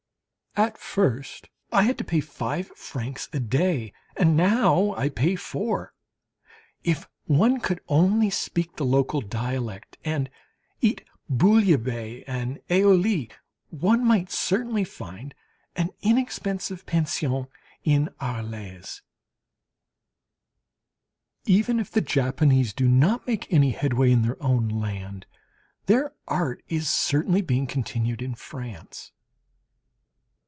At first I had to pay five francs a day, and now I pay four. If one could only speak the local dialect and eat bouillabaisse and aioli, one might certainly find an inexpensive pension in Arles.... Even if the Japanese do not make any headway in their own land, their art is certainly being continued in France.